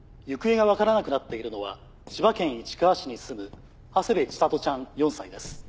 行方が分からなくなっているのは千葉県市川市に住む長谷部千里ちゃん４歳です。